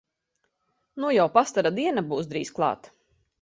Nu jau pastara diena būs drīz klāt!